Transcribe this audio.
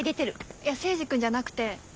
いや征二君じゃなくて。